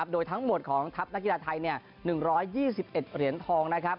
โดยทั้งหมดของทัพนักกีฬาไทย๑๒๑เหรียญทองนะครับ